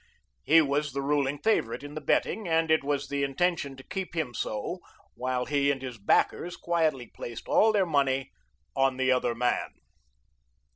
He was the ruling favorite in the betting, and it was the intention to keep him so while he and his backers quietly placed all their money on the other man.